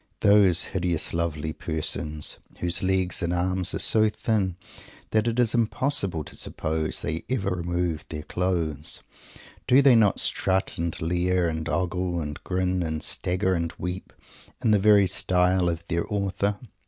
Those hideous lovely persons, whose legs and arms are so thin that it is impossible to suppose they ever removed their clothes; do they not strut and leer and ogle and grin and stagger and weep, in the very style of their author?